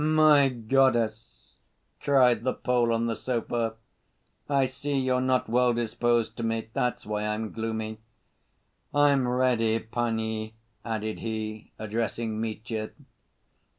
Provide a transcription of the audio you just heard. "My goddess!" cried the Pole on the sofa, "I see you're not well‐disposed to me, that's why I'm gloomy. I'm ready, panie," added he, addressing Mitya.